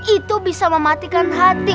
itu bisa mematikan hati